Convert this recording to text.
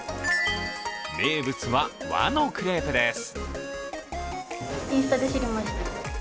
名物は、和のクレープです。